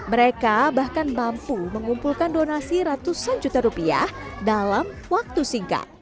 mereka bahkan mampu mengumpulkan donasi ratusan juta rupiah dalam waktu singkat